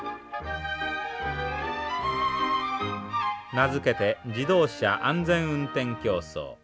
名付けて「自動車安全運転競走」。